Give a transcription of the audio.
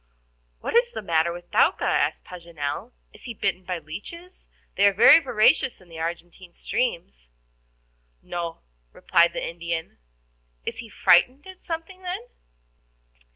"What is the matter with Thaouka?" asked Paganel. "Is he bitten by the leeches? They are very voracious in the Argentine streams." "No," replied the Indian. "Is he frightened at something, then?"